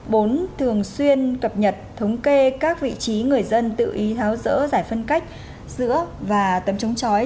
bốn thường xuyên cập nhật thống kê các vị trí người dân tự ý tháo rỡ giải phân cách giữa và tấm chống chói